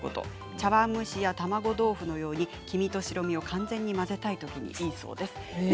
茶わん蒸しや卵豆腐などのときに黄身と白身を完全に混ぜたいときにいいそうです。